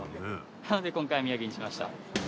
なので今回宮城にしました。